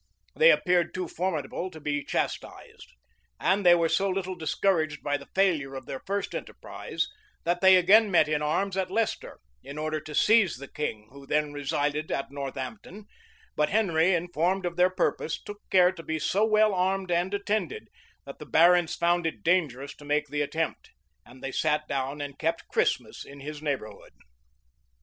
[] They appeared too formidable to be chastised; and they were so little discouraged by the failure of their first enterprise, that they again met in arms at Leicester, in order to seize the king, who then resided at Northampton: but Henry, informed of their purpose, took care to be so well armed and attended, that the barons found it dangerous to make the attempt; and they sat down and kept Christmas in his neighborhood.